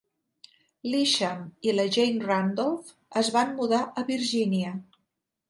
L"Isham i la Jane Randolph es van mudar a Virgínia.